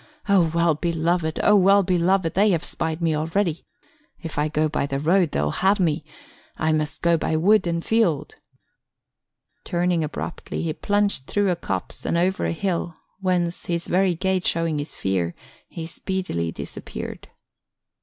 O well beloved, O well beloved! they have spied me already. If I go by the road, they'll have me; I must go by wood and field." Turning abruptly, he plunged through a copse and over a hill, whence, his very gait showing his fear, he speedily disappeared.